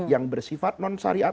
yang bersifat non syariat